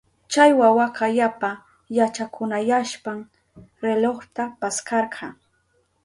Chay wawaka yapa yachakunayashpan relojta paskarka.